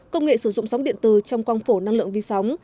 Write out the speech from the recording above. công nghệ sử dụng sóng điện tử trong quang phổ năng lượng vi sóng